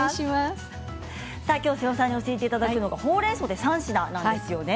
きょう瀬尾さんに教えていただくのがほうれんそうで３品なんですよね。